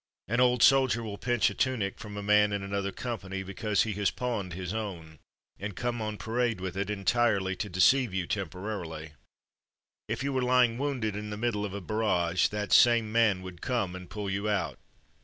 An "old soldier'' will 24 From Mud to Mufti pinch a tunic from a man in another com pany because he has pawned his own, and come on parade with it, entirely to deceive you, temporarily. If you were lying wounded in the middle of a barrage that same man would come and pull you out.